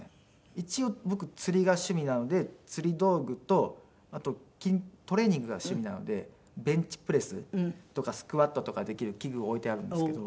一応僕釣りが趣味なので釣り道具とあとトレーニングが趣味なのでベンチプレスとかスクワットとかできる器具を置いてあるんですけど。